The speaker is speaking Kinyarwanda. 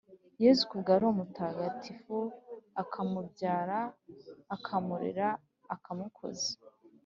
yezu ku bwa roho mutagatifu, akamubyara, akamurera, akamukuza